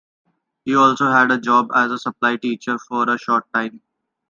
He also had a job as a supply teacher for a short time.